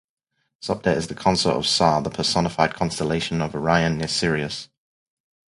Sopdet is the consort of Sah, the personified constellation of Orion near Sirius.